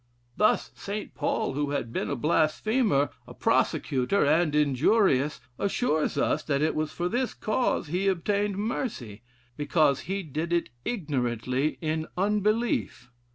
Thus St. Paul, who had been a blasphemer, a persecutor, and injurious, assures us that it was for this cause he obtained mercy, 'because he did it ignorantly in unbelief.'